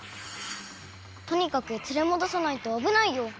とにかくつれもどさないとあぶないよ。